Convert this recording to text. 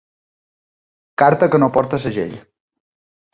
Carta que no porta segell.